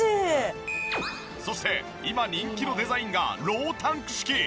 そして今人気のデザインがロータンク式。